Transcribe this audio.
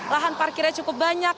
lahan parkirnya cukup banyak